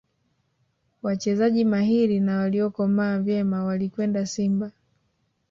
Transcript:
wachezaji mahiri na waliyokomaa vyema walikwenda simba